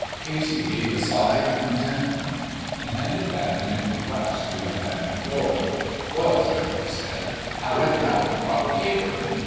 Casey gave a sigh of contentment and handed back an empty glass through the pantry door. "Well, sir," he said, "I reckon that was a proper caper!"